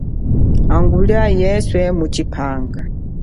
Hangulia nguna yeswe mutshipanga.